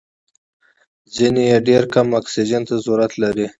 ځینې یې ډېر کم اکسیجن ته ضرورت لري.